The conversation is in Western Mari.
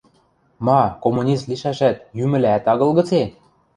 – Ма, коммунист лишӓшӓт, йӱмӹлӓӓт агыл гыце?